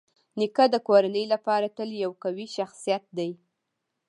نیکه د کورنۍ لپاره تل یو قوي شخصيت دی.